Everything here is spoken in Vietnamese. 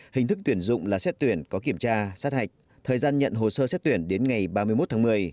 hình thức tuyển dụng là xét tuyển có kiểm tra sát hạch thời gian nhận hồ sơ xét tuyển đến ngày ba mươi một tháng một mươi